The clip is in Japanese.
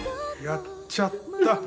やっちゃった。